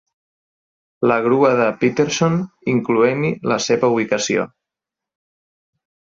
la grua de Peterson, incloent-hi la seva ubicació.